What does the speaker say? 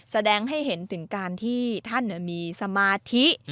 แสดงให้เห็นถึงการที่ท่านมีสมาธิ